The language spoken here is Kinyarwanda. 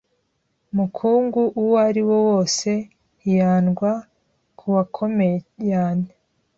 muukungu uwo ariwo wose hiandwa kuakomeye yane